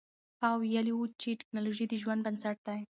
هغه ویلي و چې تکنالوژي د ژوند بنسټ دی.